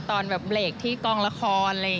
ตอนเบลกที่กองละคร